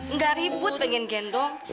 enggak ribut pengen gendong